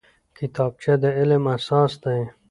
کتابچه د علم اساس دی